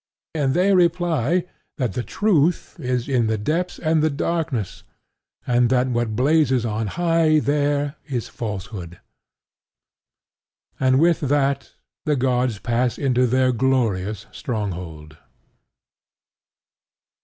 And they reply that the truth is in the depths and the darkness, and that what blazes on high there is falsehood. And with that the gods pass into their glorious stronghold.